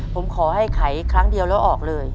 ผมขอให้ไขครั้งเดียวแล้วออกเลย